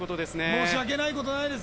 申し訳ないことないです